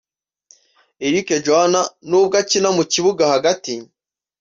Eric Joahanna nubwo akina mu kibuga hagati